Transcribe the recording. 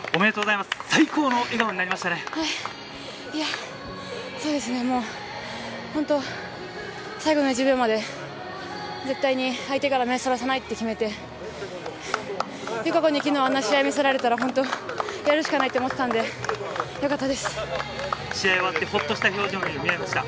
いや、そうですね、もう、本当、最後の１秒まで絶対に相手から目そらさないって決めて、友香子にきのう、あんな試合見せられたら、本当、やるしかないと思ってたの試合終わって、ほっとした表情に見えました。